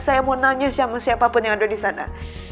saya mau nanya siapa siapapun yang ada di sana